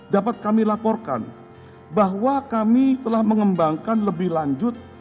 dapat kami laporkan bahwa kami telah mengembangkan lebih lanjut